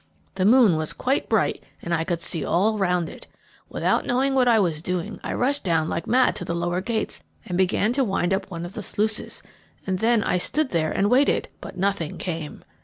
The moon was quite bright, and I could see all round it. Without knowing what I was doing, I rushed down like mad to the lower gates, and began to wind up one of the sluices, and then I stood there and waited, but nothing came.